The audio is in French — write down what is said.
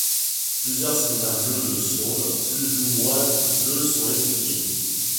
Plusieurs scénarios de sondes plus ou moins couteuses sont étudiés.